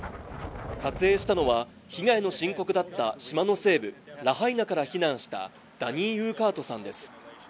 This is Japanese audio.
撮影したのは被害の深刻だった島の西部ラハイナから避難したダニー・ユーカートさんです